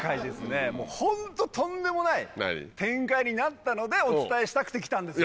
ホントとんでもない展開になったのでお伝えしたくて来たんですよ。